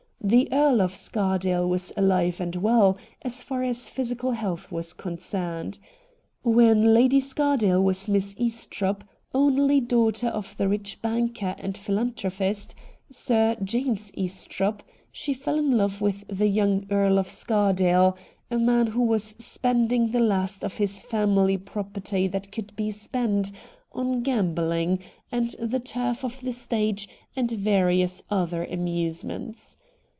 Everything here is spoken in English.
The Earl of Scardale was ahve and well, as far as physical health was concerned. When Lady Scardale was Miss Estropp, only daughter of the rich banker and philanthropist, Sir 142 RED DIAMONDS James Estropp, slie fell in love with the young Earl of Scardale, a man who was spending the last of his family property that could be spent, on gambling, and the turf and the stage, and various other amusements.